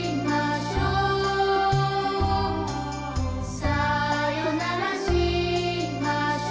「さよならしましょ。」